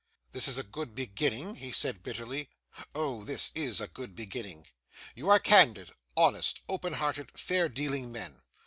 'This is a good beginning,' he said bitterly. 'Oh! this is a good beginning. You are candid, honest, open hearted, fair dealing men!